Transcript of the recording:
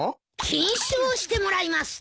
禁酒をしてもらいます！